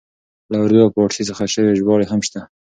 له اردو او پاړسي څخه شوې ژباړې هم شته.